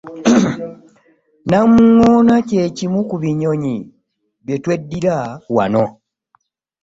Namuŋŋoona kye kimu ku binyonyi bye tweddira wano.